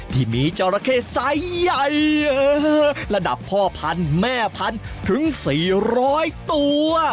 ที่มีจราเข้สายใหญ่ระดับพ่อพันธุ์แม่พันธุ์ถึง๔๐๐ตัว